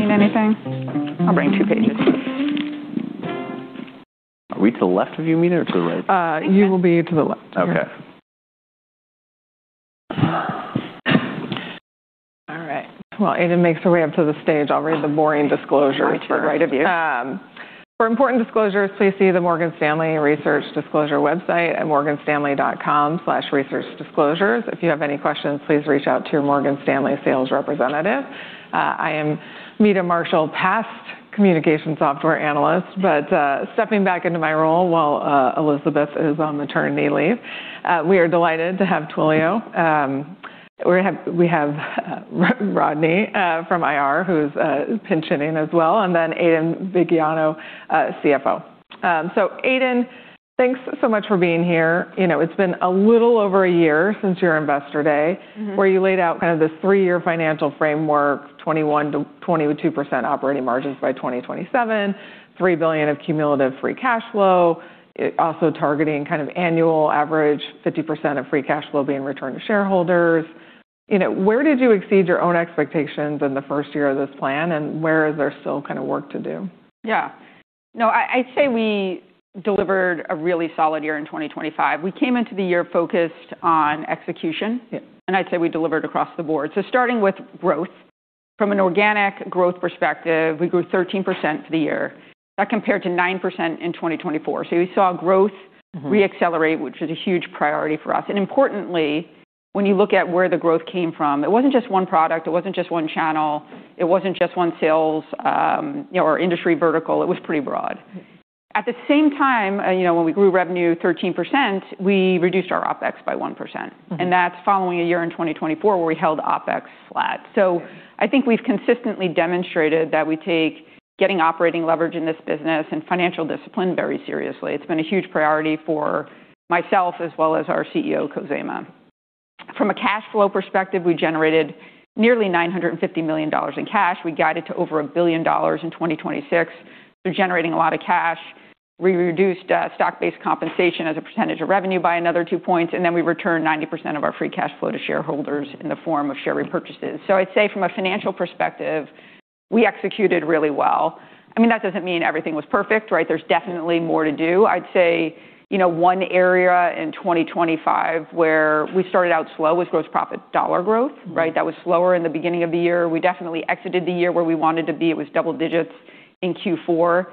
Mean anything? I'll bring two pages. Are we to the left of you, Mina, or to the right? You will be to the left. Okay. All right. While Aidan makes her way up to the stage, I'll read the boring disclosures. That's fair. to the right of you. For important disclosures, please see the Morgan Stanley Research Disclosure website at morganstanley.com/researchdisclosures. If you have any questions, please reach out to your Morgan Stanley sales representative. I am Meta Marshall, past communication software analyst, but stepping back into my role while Elizabeth is on maternity leave. We are delighted to have Twilio. We have Rodney from IR, who's pinching in as well, and then Aidan Viggiano, CFO. Aidan, thanks so much for being here. You know, it's been a little over a year since your investor day. Mm-hmm where you laid out kind of this three-year financial framework, 21%-22% operating margins by 2027, $3 billion of cumulative free cash flow. Also targeting kind of annual average 50% of free cash flow being returned to shareholders. You know, where did you exceed your own expectations in the first year of this plan, and where is there still kind of work to do? Yeah. No, I'd say we delivered a really solid year in 2025. We came into the year focused on execution. Yeah. I'd say we delivered across the board. Starting with growth. From an organic growth perspective, we grew 13% for the year. That compared to 9% in 2024. We saw Mm-hmm -re-accelerate, which is a huge priority for us. Importantly, when you look at where the growth came from, it wasn't just one product, it wasn't just one channel, it wasn't just one sales or industry vertical. It was pretty broad. Mm-hmm. At the same time when we grew revenue 13%, we reduced our OpEx by 1%. Mm-hmm. That's following a year in 2024 where we held OpEx flat. I think we've consistently demonstrated that we take getting operating leverage in this business and financial discipline very seriously. It's been a huge priority for myself as well as our CEO, Khozema. From a cash flow perspective, we generated nearly $950 million in cash. We guided to over $1 billion in 2026. We're generating a lot of cash. We reduced stock-based compensation as a percentage of revenue by another 2 points, and then we returned 90% of our free cash flow to shareholders in the form of share repurchases. I'd say from a financial perspective, we executed really well. I mean, that doesn't mean everything was perfect, right? There's definitely more to do. I'd say one area in 2025 where we started out slow was gross profit dollar growth, right? Mm-hmm. That was slower in the beginning of the year. We definitely exited the year where we wanted to be. It was double digits in Q4.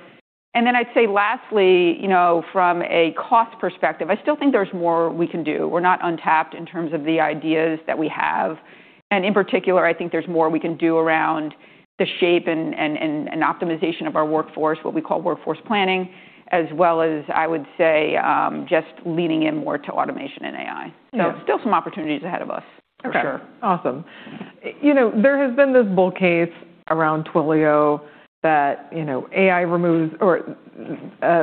lastly from a cost perspective, I still think there's more we can do. We're not untapped in terms of the ideas that we have. In particular, I think there's more we can do around the shape and optimization of our workforce, what we call workforce planning, as well as I would say, just leaning in more to automation and AI. Yeah. Still some opportunities ahead of us. Okay. Awesome. You know, there has been this bull case around Twilio that AI removes or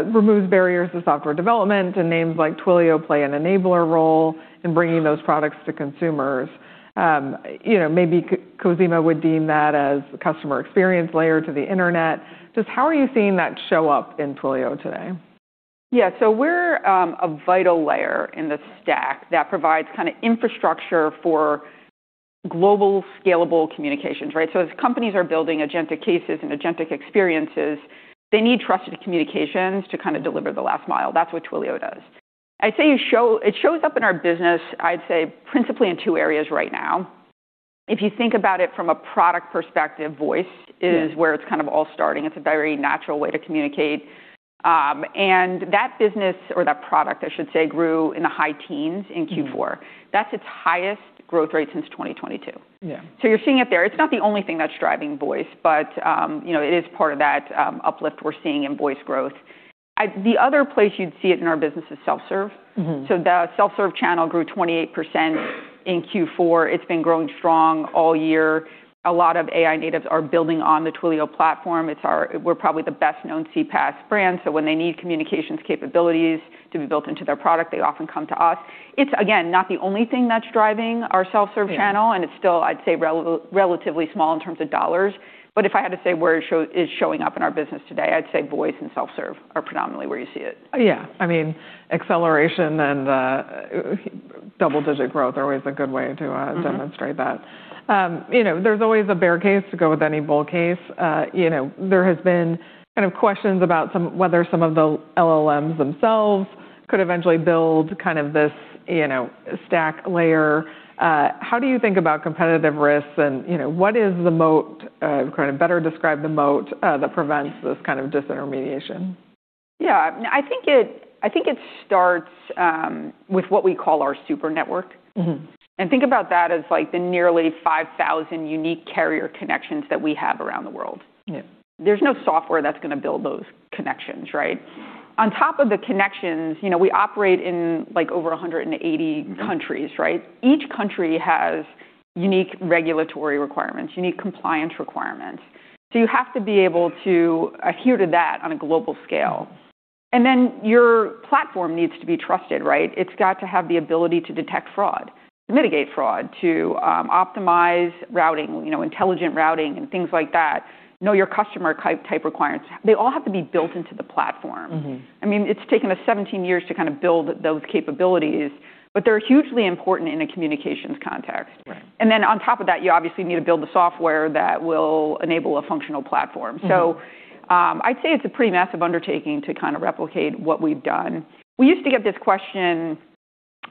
removes barriers to software development, and names like Twilio play an enabler role in bringing those products to consumers. You know, maybe Khozema would deem that as customer experience layer to the Internet. Just how are you seeing that show up in Twilio today? Yeah. We're a vital layer in the stack that provides kinda infrastructure for global scalable communications, right? As companies are building agentic cases and agentic experiences, they need trusted communications to kinda deliver the last mile. That's what Twilio does. I'd say it shows up in our business, principally in two areas right now. If you think about it from a product perspective, voice- Yeah is where it's kind of all starting. It's a very natural way to communicate. That business or that product, I should say, grew in the high teens in Q4. Mm-hmm. That's its highest growth rate since 2022. Yeah. You're seeing it there. It's not the only thing that's driving voice, but it is part of that uplift we're seeing in voice growth. The other place you'd see it in our business is self-serve. Mm-hmm. The self-serve channel grew 28% in Q4. It's been growing strong all year. A lot of AI natives are building on the Twilio platform. It's We're probably the best-known CPaaS brand, so when they need communications capabilities to be built into their product, they often come to us. It's, again, not the only thing that's driving our self-serve channel. Yeah It's still, I'd say, relatively small in terms of dollars. If I had to say where it's showing up in our business today, I'd say voice and self-serve are predominantly where you see it. Yeah. I mean, acceleration and double-digit growth are always a good way to- Mm-hmm demonstrate that. You know, there's always a bear case to go with any bull case. You know, there has been kind of questions about whether some of the LLMs themselves could eventually build kind of this stack layer. How do you think about competitive risks and what is the moat, kind of better describe the moat, that prevents this kind of disintermediation? Yeah. I think it starts with what we call our Super Network. Mm-hmm. Think about that as, like, the nearly 5,000 unique carrier connections that we have around the world. Yeah. There's no software that's gonna build those connections, right? On top of the connections we operate in, like, over 180 countries, right? Mm-hmm. Each country has unique regulatory requirements, unique compliance requirements. You have to be able to adhere to that on a global scale. Mm-hmm. Your platform needs to be trusted, right? It's got to have the ability to detect fraud, to mitigate fraud, to optimize routing intelligent routing and things like that. Know your customer type requirements. They all have to be built into the platform. Mm-hmm. I mean, it's taken us 17 years to kinda build those capabilities. They're hugely important in a communications context. Right. On top of that, you obviously need to build the software that will enable a functional platform. Mm-hmm. I'd say it's a pretty massive undertaking to kind of replicate what we've done. We used to get this question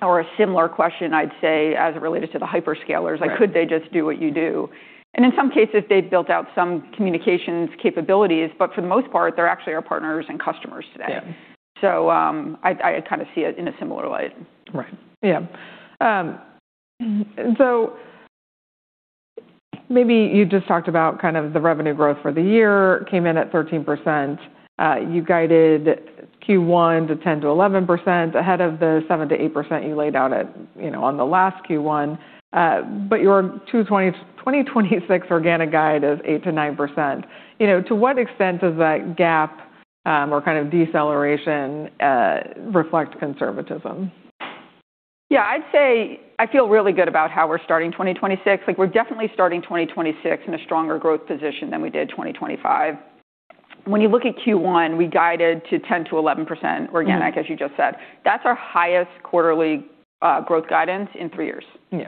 or a similar question, I'd say, as it related to the hyperscalers. Right. Like, could they just do what you do? In some cases, they've built out some communications capabilities, but for the most part, they're actually our partners and customers today. Yeah. I kind of see it in a similar light. Right. Yeah. Maybe you just talked about kind of the revenue growth for the year came in at 13%. You guided Q1 to 10%-11% ahead of the 7%-8% you laid out at on the last Q1. Your 2026 organic guide is 8%-9%. You know, to what extent does that gap, or kind of deceleration, reflect conservatism? Yeah. I'd say I feel really good about how we're starting 2026. Like, we're definitely starting 2026 in a stronger growth position than we did 2025. When you look at Q1, we guided to 10%-11% organic- Mm-hmm as you just said. That's our highest quarterly, growth guidance in three years. Yeah.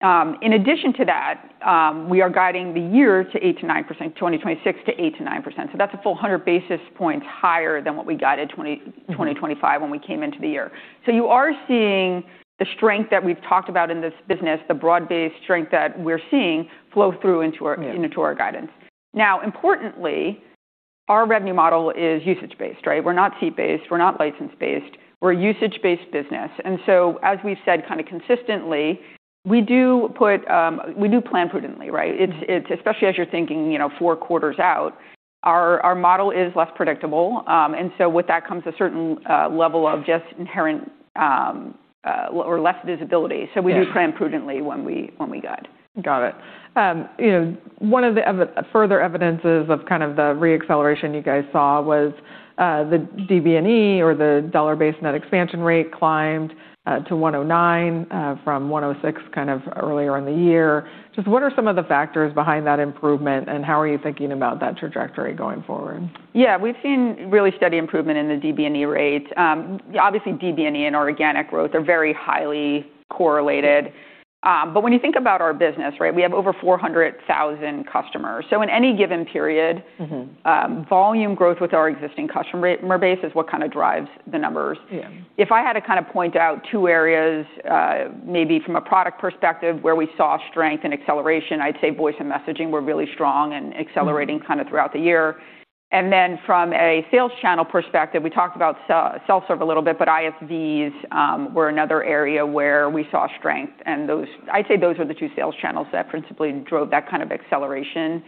In addition to that, we are guiding the year to 8%-9%, 2026 to 8%-9%. That's a full 100 basis points higher than what we guided. Mm-hmm... 2025 when we came into the year. You are seeing the strength that we've talked about in this business, the broad-based strength that we're seeing flow through into our. Yeah... into our guidance. Now, importantly, our revenue model is usage-based, right? We're not seat-based, we're not license-based. We're a usage-based business. As we've said kind of consistently, we do plan prudently, right? It's especially as you're thinking 4 quarters out, our model is less predictable. With that comes a certain level of just inherent or less visibility. Yes. We do plan prudently when we guide. Got it. You know, one of the further evidences of kind of the re-acceleration you guys saw was, the DBNER or the dollar-based net expansion rate climbed, to 109, from 106 kind of earlier in the year. Just what are some of the factors behind that improvement, and how are you thinking about that trajectory going forward? Yeah. We've seen really steady improvement in the DB&E rate. Obviously DB&E and organic growth are very highly correlated. When you think about our business, right, we have over 400,000 customers. In any given period. Mm-hmm volume growth with our existing customer base is what kind of drives the numbers. Yeah. If I had to kind of point out 2 areas, maybe from a product perspective where we saw strength and acceleration, I'd say voice and messaging were really strong and accelerating. Mm-hmm kind of throughout the year. Then from a sales channel perspective, we talked about self-serve a little bit, but ISVs were another area where we saw strength. I'd say those were the two sales channels that principally drove that kind of acceleration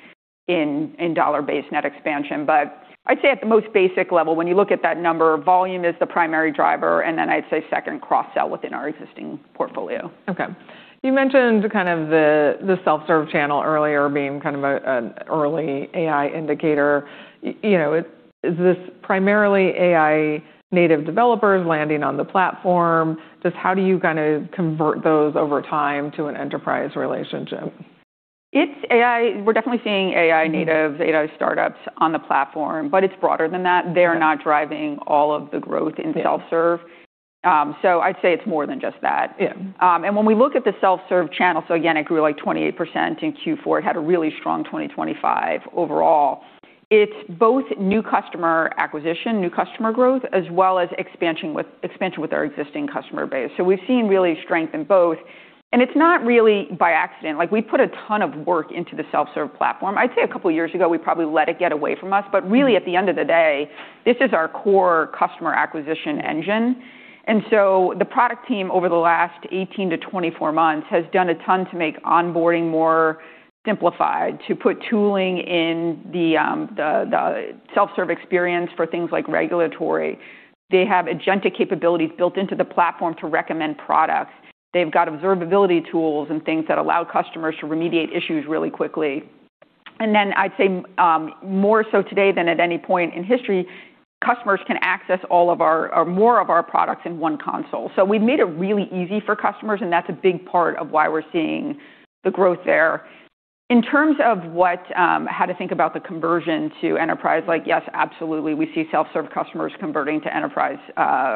in dollar-based net expansion. I'd say at the most basic level, when you look at that number, volume is the primary driver, and then I'd say second cross-sell within our existing portfolio. Okay. You mentioned kind of the self-serve channel earlier being kind of a, an early AI indicator. you know, is this primarily AI native developers landing on the platform? Just how do you kinda convert those over time to an enterprise relationship? It's AI. We're definitely seeing AI natives- Mm-hmm... AI startups on the platform, but it's broader than that. Okay. They're not driving all of the growth in self-serve. Yeah. I'd say it's more than just that. Yeah. When we look at the self-serve channel, again, it grew like 28% in Q4. It had a really strong 2025 overall. It's both new customer acquisition, new customer growth, as well as expansion with our existing customer base. We've seen really strength in both. It's not really by accident. Like, we put a ton of work into the self-serve platform. I'd say a couple years ago, we probably let it get away from us. Mm-hmm. Really at the end of the day, this is our core customer acquisition engine. The product team over the last 18 to 24 months has done a ton to make onboarding more simplified, to put tooling in the self-serve experience for things like regulatory. They have agentic capabilities built into the platform to recommend products. They've got observability tools and things that allow customers to remediate issues really quickly. I'd say, more so today than at any point in history, customers can access or more of our products in one console. We've made it really easy for customers, and that's a big part of why we're seeing the growth there. In terms of what... how to think about the conversion to enterprise, like, yes, absolutely, we see self-serve customers converting to enterprise,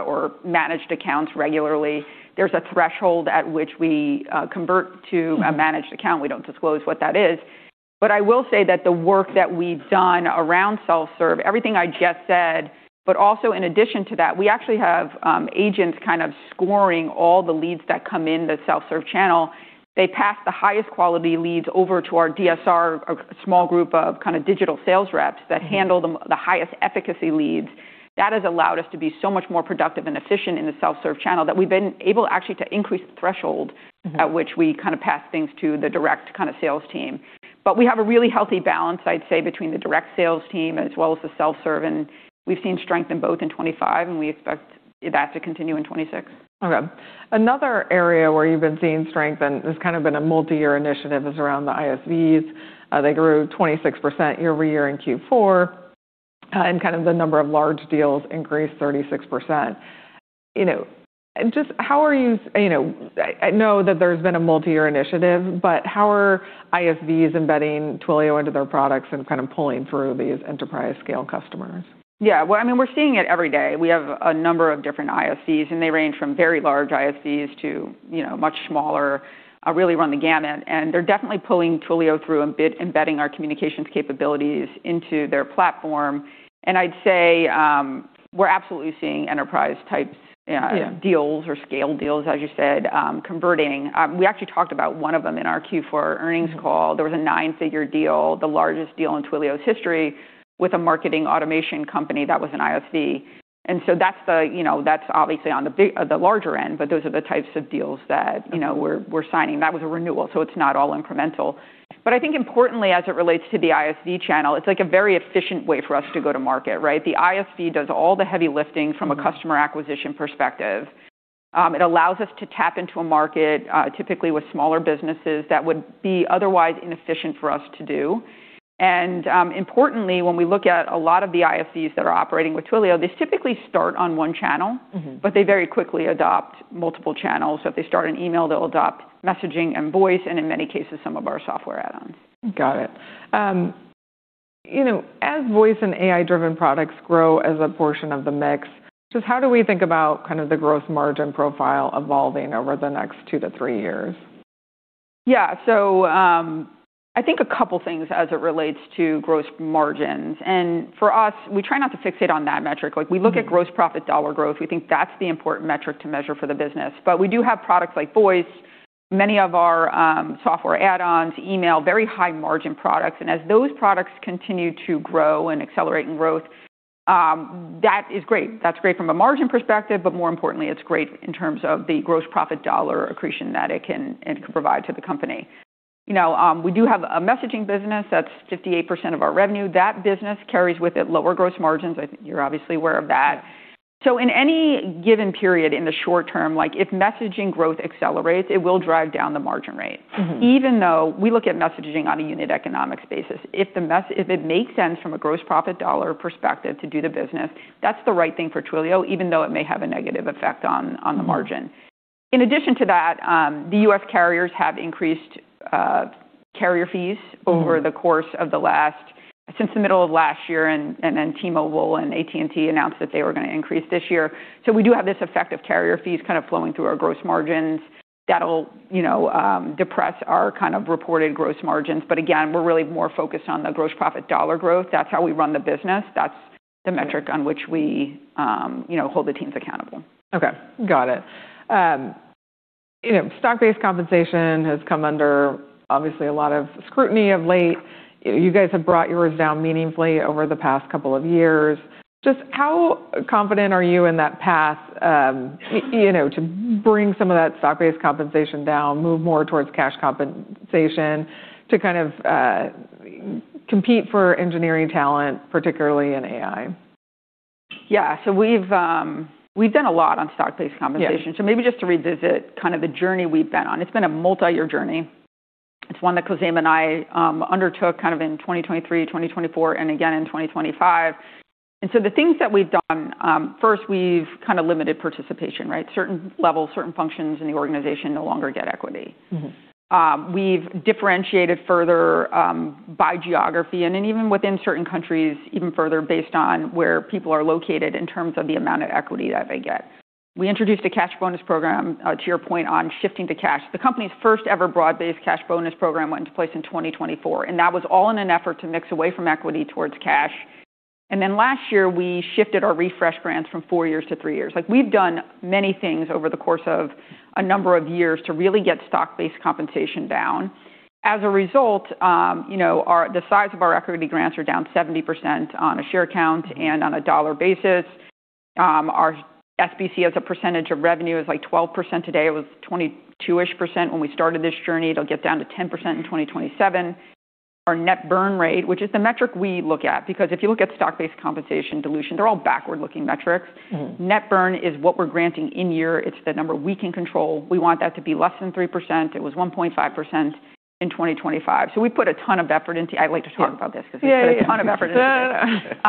or managed accounts regularly. There's a threshold at which we. Mm-hmm a managed account. We don't disclose what that is. I will say that the work that we've done around self-serve, everything I just said, but also in addition to that, we actually have, agents kind of scoring all the leads that come in the self-serve channel. They pass the highest quality leads over to our DSR, a small group of kind of digital sales reps. Mm-hmm that handle the highest efficacy leads. That has allowed us to be so much more productive and efficient in the self-serve channel that we've been able actually to increase the threshold- Mm-hmm... at which we kind of pass things to the direct kind of sales team. We have a really healthy balance, I'd say, between the direct sales team as well as the self-serve, and we've seen strength in both in 25, and we expect that to continue in 26. Okay. Another area where you've been seeing strength, and it's kind of been a multi-year initiative, is around the ISVs. They grew 26% year-over-year in Q4. Kind of the number of large deals increased 36%. You know, and just how are you know, I know that there's been a multi-year initiative, but how are ISVs embedding Twilio into their products and kind of pulling through these enterprise-scale customers? Yeah. Well, I mean, we're seeing it every day. We have a number of different ISVs. They range from very large ISVs to much smaller, really run the gamut. They're definitely pulling Twilio through, embedding our communications capabilities into their platform. I'd say, we're absolutely seeing enterprise types- Yeah deals or scale deals, as you said, converting. We actually talked about one of them in our Q4 earnings call. There was a 9-figure deal, the largest deal in Twilio's history, with a marketing automation company that was an ISV. That's you know, that's obviously on the larger end, but those are the types of deals that we're signing. That was a renewal, so it's not all incremental. I think importantly, as it relates to the ISV channel, it's like a very efficient way for us to go to market, right? The ISV does all the heavy lifting from a customer acquisition perspective. It allows us to tap into a market, typically with smaller businesses that would be otherwise inefficient for us to do. Importantly, when we look at a lot of the ISVs that are operating with Twilio, they typically start on one channel. Mm-hmm... They very quickly adopt multiple channels. If they start an email, they'll adopt messaging and voice, and in many cases, some of our software add-ons. Got it. You know, as voice and AI-driven products grow as a portion of the mix, just how do we think about kind of the growth margin profile evolving over the next 2-3 years? Yeah. I think a couple of things as it relates to gross margins. For us, we try not to fixate on that metric. Like, we look at gross profit dollar growth. We think that's the important metric to measure for the business. We do have products like Voice, many of our software add-ons, email, very high margin products. As those products continue to grow and accelerate in growth, that is great. That's great from a margin perspective, but more importantly, it's great in terms of the gross profit dollar accretion that it can provide to the company. You know, we do have a messaging business that's 58% of our revenue. That business carries with it lower gross margins. I think you're obviously aware of that. In any given period in the short term, like, if messaging growth accelerates, it will drive down the margin rate. Mm-hmm. Even though we look at messaging on a unit economics basis, if it makes sense from a gross profit dollar perspective to do the business, that's the right thing for Twilio, even though it may have a negative effect on the margin. In addition to that, the U.S. carriers have increased carrier fees. Mm-hmm... over the course of the last since the middle of last year. T-Mobile and AT&T announced that they were gonna increase this year. We do have this effect of carrier fees kind of flowing through our gross margins. that'll depress our kind of reported gross margins. Again, we're really more focused on the gross profit dollar growth. That's how we run the business. That's the metric on which we hold the teams accountable. Okay. Got it. You know, stock-based compensation has come under obviously a lot of scrutiny of late. You guys have brought yours down meaningfully over the past couple of years. Just how confident are you in that path to bring some of that stock-based compensation down, move more towards cash compensation to kind of, compete for engineering talent, particularly in AI? Yeah. We've done a lot on stock-based compensation. Yeah. Maybe just to revisit kind of the journey we've been on. It's been a multi-year journey. It's one that Khozema and I undertook kind of in 2023, 2024, and again in 2025. The things that we've done, first, we've kind of limited participation, right? Certain levels, certain functions in the organization no longer get equity. Mm-hmm. We've differentiated further by geography and even within certain countries, even further based on where people are located in terms of the amount of equity that they get. We introduced a cash bonus program to your point on shifting to cash. The company's first-ever broad-based cash bonus program went into place in 2024. That was all in an effort to mix away from equity towards cash. Then last year, we shifted our refresh grants from 4 years to 3 years. Like, we've done many things over the course of a number of years to really get stock-based compensation down. As a result, the size of our equity grants are down 70% on a share count and on a dollar basis. Our SBC as a percentage of revenue is like 12% today. It was 22-ish% when we started this journey. It'll get down to 10% in 2027. Our net burn rate, which is the metric we look at, because if you look at stock-based compensation dilution, they're all backward-looking metrics. Mm-hmm. Net burn is what we're granting in year. It's the number we can control. We want that to be less than 3%. It was 1.5% in 2025. We put a ton of effort. I like to talk about this 'cause we put a ton of effort into it. Yeah.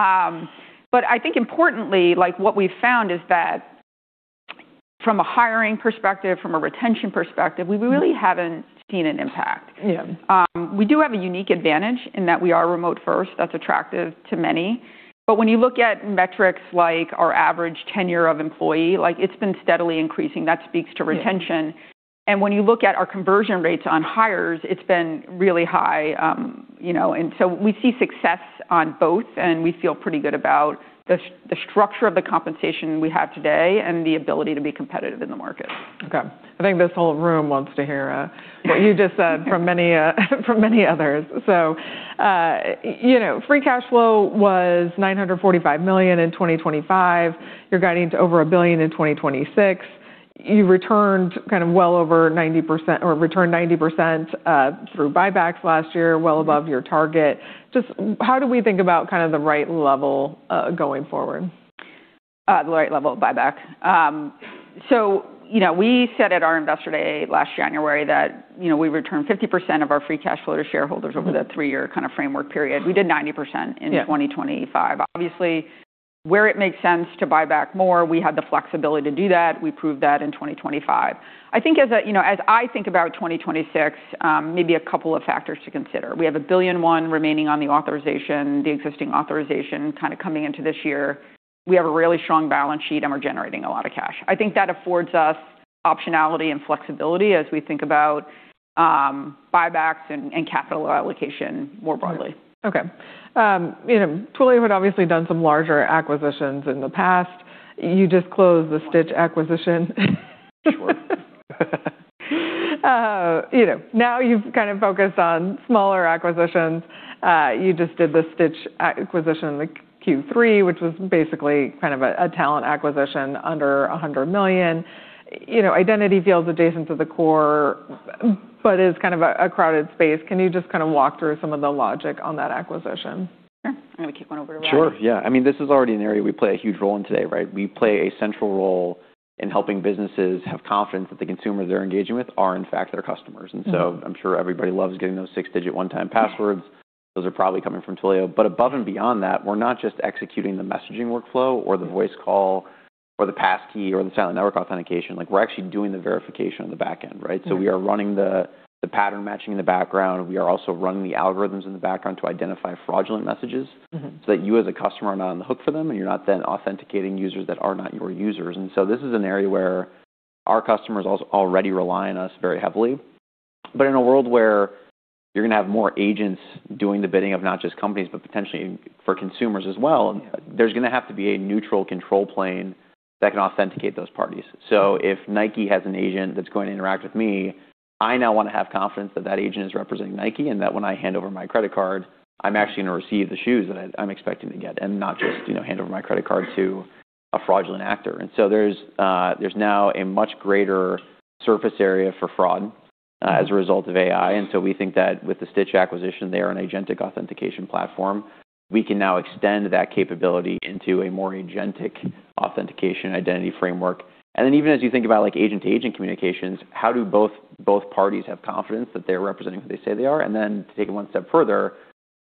I think importantly, like, what we found is that from a hiring perspective, from a retention perspective, we really haven't seen an impact. Yeah. We do have a unique advantage in that we are remote first. That's attractive to many. When you look at metrics like our average tenure of employee, like it's been steadily increasing. That speaks to retention. Yeah. When you look at our conversion rates on hires, it's been really high, you know. We see success on both, and we feel pretty good about the structure of the compensation we have today and the ability to be competitive in the market. Okay. I think this whole room wants to hear what you just said from many, from many others. You know, free cash flow was $945 million in 2025. You're guiding to over $1 billion in 2026. You returned kind of well over 90% or returned 90% through buybacks last year, well above your target. Just how do we think about kind of the right level going forward? The right level of buyback. You know, we said at our investor day last January that we return 50% of our free cash flow to shareholders. Mm-hmm... over the three-year kind of framework period. We did 90%. Yeah... 2025. Obviously, where it makes sense to buy back more, we have the flexibility to do that. We proved that in 2025. I think as a as I think about 2026, maybe a couple of factors to consider. We have $1.1 billion remaining on the authorization, the existing authorization kinda coming into this year. We have a really strong balance sheet, and we're generating a lot of cash. I think that affords us optionality and flexibility as we think about buybacks and capital allocation more broadly. Right. Okay. you know, Twilio had obviously done some larger acquisitions in the past. You just closed the Stytch acquisition. Sure. You know, now you've kind of focused on smaller acquisitions. You just did the Stytch acquisition in the Q3, which was basically kind of a talent acquisition under $100 million. You know, identity feels adjacent to the core, but is kind of a crowded space. Can you just kind of walk through some of the logic on that acquisition? Sure. I'm gonna kick one over to Ryan. Sure. Yeah. I mean, this is already an area we play a huge role in today, right? We play a central role in helping businesses have confidence that the consumer they're engaging with are, in fact, their customers. Mm-hmm. I'm sure everybody loves getting those 6-digit one-time passwords. Yeah. Those are probably coming from Twilio. Above and beyond that, we're not just executing the messaging workflow or the voice call or the passkey or the Silent Network Authentication. Like, we're actually doing the verification on the back end, right? Yeah. We are running the pattern matching in the background. We are also running the algorithms in the background to identify fraudulent messages. Mm-hmm... so that you, as a customer, are not on the hook for them, and you're not then authenticating users that are not your users. This is an area where our customers already rely on us very heavily. In a world where you're gonna have more agents doing the bidding of not just companies, but potentially for consumers as well, there's gonna have to be a neutral control plane that can authenticate those parties. If Nike has an agent that's going to interact with me, I now wanna have confidence that that agent is representing Nike, and that when I hand over my credit card, I'm actually gonna receive the shoes that I'm expecting to get and not just hand over my credit card to a fraudulent actor. There's now a much greater surface area for fraud as a result of AI. We think that with the Stytch acquisition, they're an agentic authentication platform. We can now extend that capability into a more agentic authentication identity framework. Even as you think about, like, agent-to-agent communications, how do both parties have confidence that they're representing who they say they are? To take it one step further,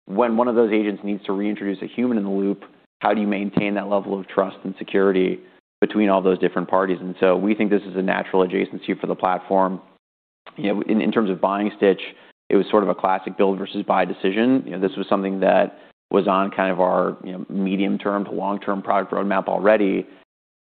when one of those agents needs to reintroduce a human in the loop, how do you maintain that level of trust and security between all those different parties? We think this is a natural adjacency for the platform. You know, in terms of buying Stytch, it was sort of a classic build versus buy decision. You know, this was something that was on kind of our medium-term to long-term product roadmap already.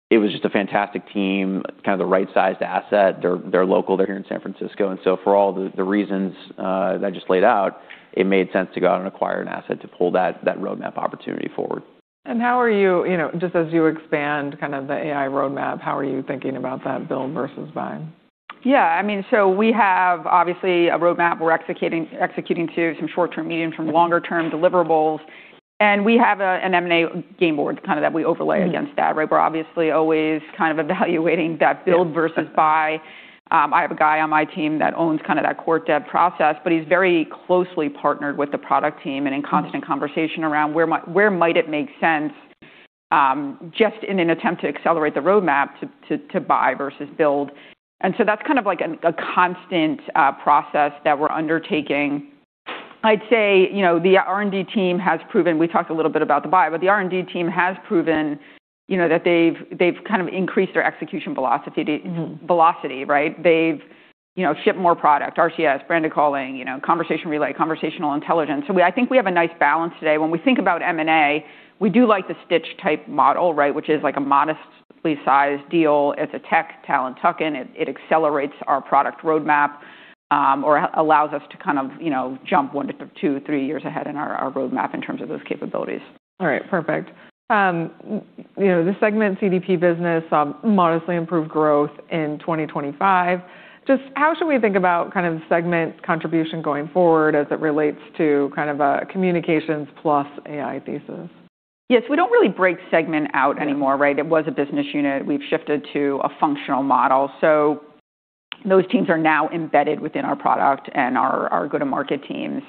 It was just a fantastic team, kind of the right-sized asset. They're local. They're here in San Francisco. For all the reasons that I just laid out, it made sense to go out and acquire an asset to pull that roadmap opportunity forward. How are you know, just as you expand kind of the AI roadmap, how are you thinking about that build versus buy? Yeah, I mean, we have obviously a roadmap we're executing to some short-term, medium, from longer term deliverables. We have an M&A game board kind of that we. Mm-hmm against that, right? We're obviously always kind of evaluating that build versus buy. I have a guy on my team that owns kind of that core dev process, but he's very closely partnered with the product team and in constant conversation around where might it make sense just in an attempt to accelerate the roadmap to buy versus build. That's kind of like a constant process that we're undertaking. I'd say we talked a little bit about the buy, but the R&D team has proven that they've kind of increased their execution velocity, right? They've shipped more product, RCS, Branded calling ConversationRelay, Conversational Intelligence. I think we have a nice balance today. When we think about M&A, we do like the Stytch-type model, right, which is like a modestly sized deal. It accelerates our product roadmap, or allows us to kind of jump 1-2, 3 years ahead in our roadmap in terms of those capabilities. All right. Perfect. You know, the Segment CDP business, modestly improved growth in 2025. Just how should we think about kind of Segment contribution going forward as it relates to kind of a communications plus AI thesis? Yes. We don't really break Segment out anymore, right? It was a business unit. We've shifted to a functional model. Those teams are now embedded within our product and our go-to-market teams.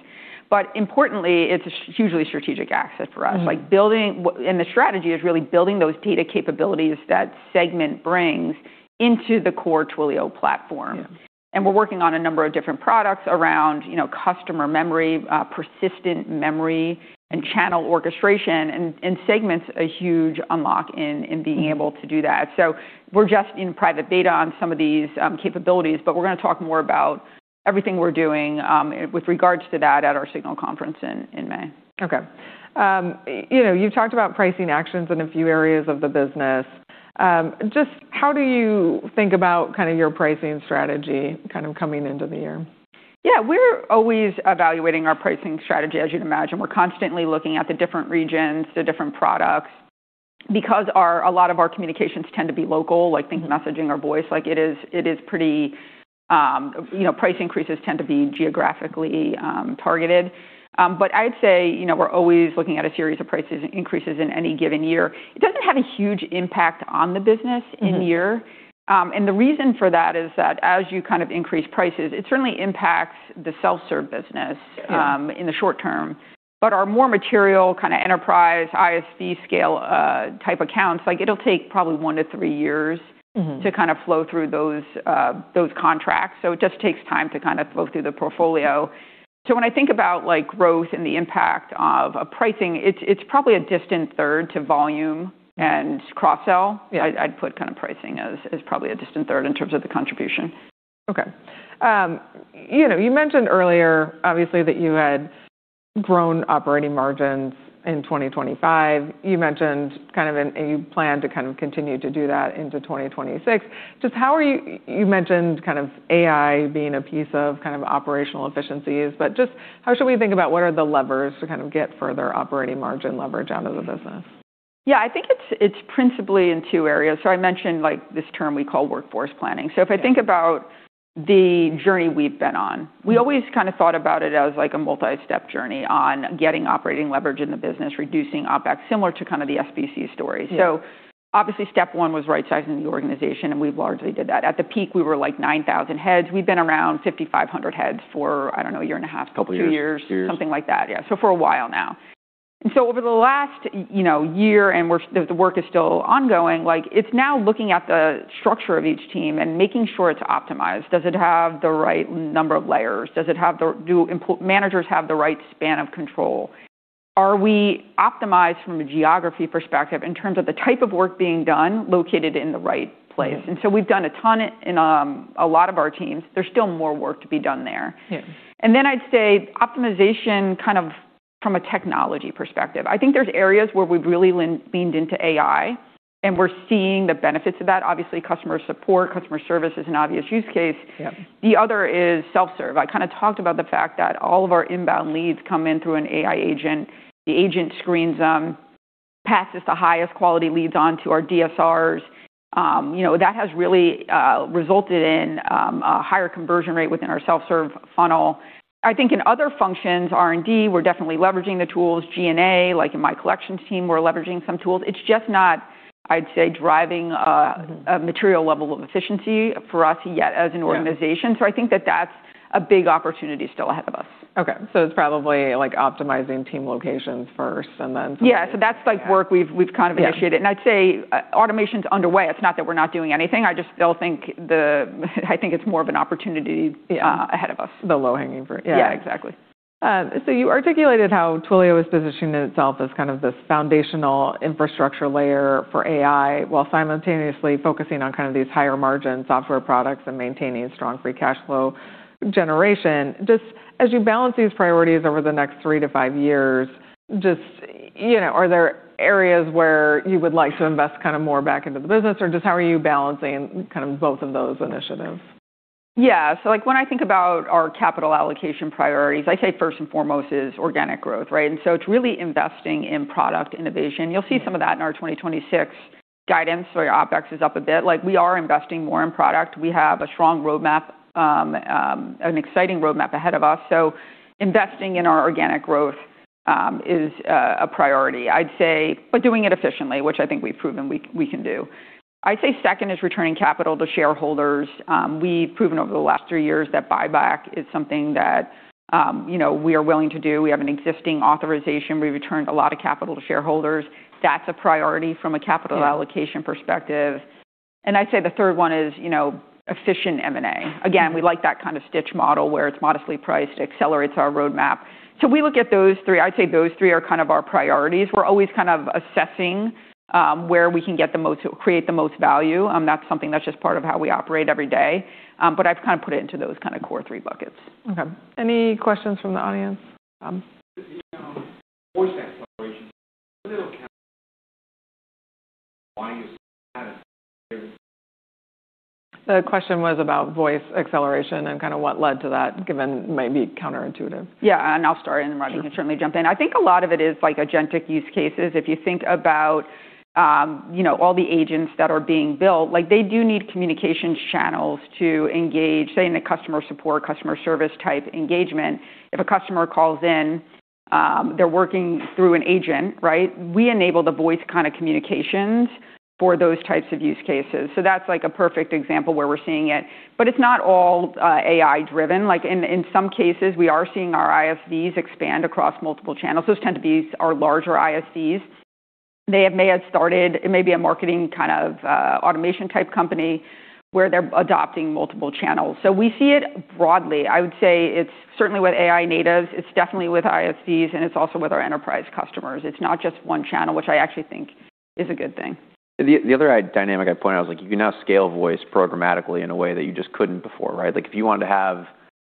Importantly, it's hugely strategic access for us. Mm-hmm. The strategy is really building those data capabilities that Segment brings into the core Twilio platform. Yeah. We're working on a number of different products around Customer Memory, persistent memory and channel orchestration, and in Segment, a huge unlock in being able to do that. We're just in private beta on some of these capabilities, but we're gonna talk more about everything we're doing with regards to that at our Signal conference in May. Okay. You know, you've talked about pricing actions in a few areas of the business. Just how do you think about kind of your pricing strategy kind of coming into the year? Yeah. We're always evaluating our pricing strategy, as you'd imagine. We're constantly looking at the different regions, the different products. A lot of our communications tend to be local, like think messaging or voice, like it is pretty price increases tend to be geographically targeted. I'd say we're always looking at a series of prices increases in any given year. It doesn't have a huge impact on the business in year. Mm-hmm. The reason for that is that as you kind of increase prices, it certainly impacts the self-serve business. Yeah In the short term. Our more material kind of enterprise ISP scale, type accounts, like it'll take probably 1 to 3 years. Mm-hmm to kind of flow through those contracts. It just takes time to kind of flow through the portfolio. When I think about, like, growth and the impact of pricing, it's probably a distant third to volume and cross-sell. Yeah. I'd put kinda pricing as probably a distant third in terms of the contribution. You know, you mentioned earlier obviously that you had grown operating margins in 2025. You mentioned kind of you plan to kind of continue to do that into 2026. Just how are you mentioned kind of AI being a piece of kind of operational efficiencies, but just how should we think about what are the levers to kind of get further operating margin leverage out of the business? Yeah. I think it's principally in two areas. I mentioned, like, this term we call workforce planning. If I think about the journey we've been on, we always kind of thought about it as, like, a multi-step journey on getting operating leverage in the business, reducing OpEx, similar to kind of the SBC story. Yeah. Obviously step one was rightsizing the organization, and we largely did that. At the peak, we were like 9,000 heads. We've been around 5,500 heads for, I don't know, a year and a half, couple, two years. Two years. Years. Something like that, yeah. For a while now. Over the last year, and we're the work is still ongoing, like, it's now looking at the structure of each team and making sure it's optimized. Does it have the right number of layers? Does it have the Do managers have the right span of control? Are we optimized from a geography perspective in terms of the type of work being done located in the right place? Mm-hmm. We've done a ton in a lot of our teams. There's still more work to be done there. Yeah. I'd say optimization kind of from a technology perspective. I think there's areas where we've really leaned into AI, and we're seeing the benefits of that. Obviously, customer support, customer service is an obvious use case. Yeah. The other is self-serve. I kinda talked about the fact that all of our inbound leads come in through an AI agent. The agent screens them, passes the highest quality leads on to our DSRs. You know, that has really resulted in a higher conversion rate within our self-serve funnel. I think in other functions, R&D, we're definitely leveraging the tools. G&A, like in my collections team, we're leveraging some tools. It's just not, I'd say, driving a material level of efficiency for us yet as an organization. Yeah. I think that that's a big opportunity still ahead of us. Okay. It's probably, like, optimizing team locations first, and then... Yeah. That's, like, work we've kind of initiated. Yeah. I'd say, automation's underway. It's not that we're not doing anything. I think it's more of an opportunity- Yeah. ahead of us. The low-hanging fruit. Yeah. Yeah, exactly. You articulated how Twilio is positioning itself as kind of this foundational infrastructure layer for AI while simultaneously focusing on kind of these higher margin software products and maintaining strong free cash flow generation. Just as you balance these priorities over the next three to five years, just are there areas where you would like to invest kind of more back into the business, or just how are you balancing kind of both of those initiatives? Yeah. Like, when I think about our capital allocation priorities, I'd say first and foremost is organic growth, right? It's really investing in product innovation. You'll see some of that in our 2026 guidance. Your OpEx is up a bit. Like, we are investing more in product. We have a strong roadmap, an exciting roadmap ahead of us. Investing in our organic growth is a priority, I'd say. Doing it efficiently, which I think we've proven we can do. I'd say second is returning capital to shareholders. We've proven over the last three years that buyback is something that we are willing to do. We have an existing authorization. We returned a lot of capital to shareholders. That's a priority from a capital allocation perspective. I'd say the third one is efficient M&A. Mm-hmm. We like that kind of Stytch model where it's modestly priced, accelerates our roadmap. We look at those three. I'd say those three are kind of our priorities. We're always kind of assessing where we can create the most value. That's something that's just part of how we operate every day. I've kind of put it into those kind of core three buckets. Okay. Any questions from the audience? With the voice acceleration, Why is that a favorite? The question was about voice acceleration and kinda what led to that, given it might be counterintuitive. Yeah. I'll start, and then Rodney- Sure. Can certainly jump in. I think a lot of it is, like, agentic use cases. If you think about all the agents that are being built, like, they do need communications channels to engage, say, in a customer support, customer service type engagement. If a customer calls in, they're working through an agent, right? We enable the voice kind of communications for those types of use cases. That's, like, a perfect example where we're seeing it. It's not all AI-driven. Like, in some cases, we are seeing our ISVs expand across multiple channels. Those tend to be our larger ISVs. They may have started. It may be a marketing kind of automation type company where they're adopting multiple channels. We see it broadly. I would say it's certainly with AI natives, it's definitely with ISVs, and it's also with our enterprise customers. It's not just one channel, which I actually think is a good thing. The other dynamic I'd point out is, like, you can now scale voice programmatically in a way that you just couldn't before, right? Like, if you wanted to have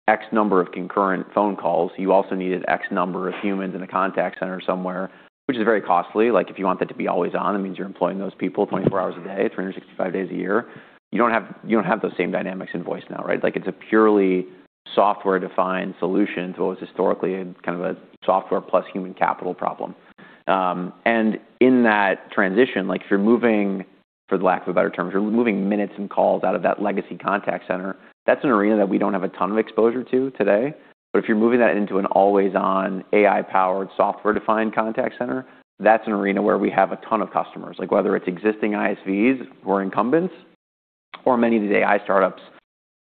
X number of concurrent phone calls, you also needed X number of humans in a contact center somewhere, which is very costly. Like, if you want that to be always on, that means you're employing those people 24 hours a day, 365 days a year. You don't have those same dynamics in voice now, right? Like, it's a purely software-defined solution to what was historically kind of a software plus human capital problem. In that transition, like, if you're moving, for the lack of a better term, if you're moving minutes and calls out of that legacy contact center, that's an arena that we don't have a ton of exposure to today. If you're moving that into an always-on AI-powered software-defined contact center, that's an arena where we have a ton of customers. Like, whether it's existing ISVs or incumbents or many of these AI startups,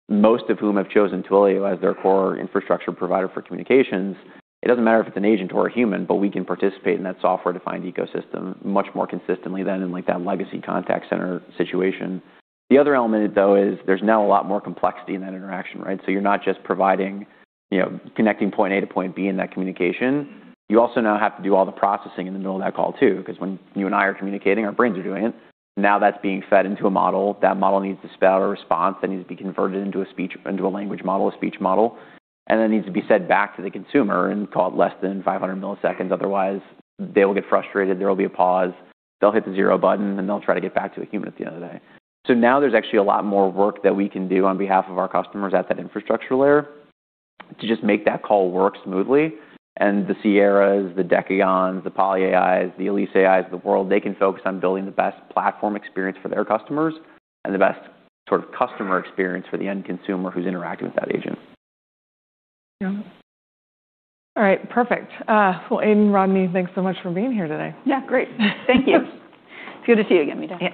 most of whom have chosen Twilio as their core infrastructure provider for communications, it doesn't matter if it's an agent or a human, we can participate in that software-defined ecosystem much more consistently than in, like, that legacy contact center situation. The other element though is there's now a lot more complexity in that interaction, right? You're not just providing connecting point A to point B in that communication. You also now have to do all the processing in the middle of that call too, 'cause when you and I are communicating, our brains are doing it. That's being fed into a model. That model needs to spit out a response that needs to be converted into a language model, a speech model, and that needs to be sent back to the consumer in, call it, less than 500 milliseconds. Otherwise, they will get frustrated, there will be a pause, they'll hit the 0 button, and they'll try to get back to a human at the end of the day. Now there's actually a lot more work that we can do on behalf of our customers at that infrastructure layer to just make that call work smoothly. The Sierras, the Decagons, the PolyAIs, the EliseAIs of the world, they can focus on building the best platform experience for their customers and the best sort of customer experience for the end consumer who's interacting with that agent. Yeah. All right. Perfect. Well, Aidan and Rodney, thanks so much for being here today. Yeah. Great. Thank you. It's good to see you again, Meta Marshall.